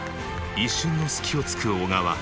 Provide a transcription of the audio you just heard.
一瞬の隙をつく小川。